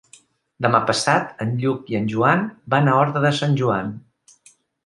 Demà passat en Lluc i en Joan van a Horta de Sant Joan.